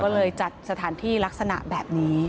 ก็เลยจัดสถานที่ลักษณะแบบนี้